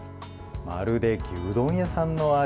まるで牛丼屋さんの味。